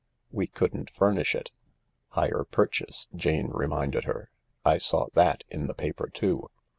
"We couldn't furnish it." " Hire purchase," Jane reminded her. " I saw that in the paper too.